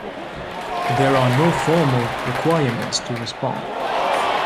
There are no formal requirements to respond.